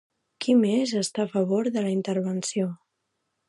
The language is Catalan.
Qui més hi està a favor de la intervenció?